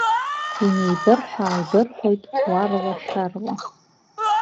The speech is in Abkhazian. Инеибырҳәа-ааибырҳәоит уарла-шәарла.